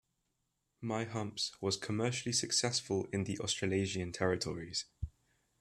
"My Humps" was commercially successful in the Australasia territories.